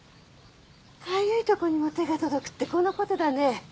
かゆいとこにも手が届くってこの事だね。